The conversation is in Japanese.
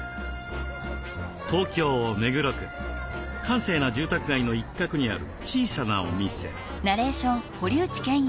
閑静な住宅街の一角にある小さなお店。